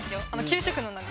給食の中。